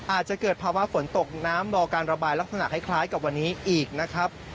อาจจะเกิดภาวะฝนตกน้ำรอการระบายลักษณะคล้ายกับวันนี้อีกนะครับ